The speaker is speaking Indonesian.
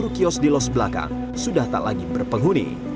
tentu kios di los belakang sudah tak lagi berpenghuni